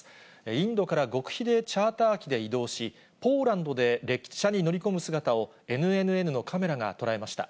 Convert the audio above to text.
インドから極秘でチャーター機で移動し、ポーランドで列車に乗り込む姿を、ＮＮＮのカメラが捉えました。